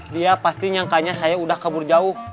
dia pasti nyangkanya saya udah kabur jauh